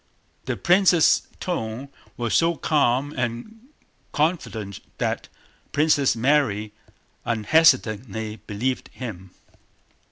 The prince's tone was so calm and confident that Princess Mary unhesitatingly believed him.